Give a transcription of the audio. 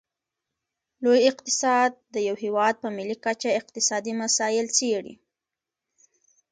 لوی اقتصاد د یو هیواد په ملي کچه اقتصادي مسایل څیړي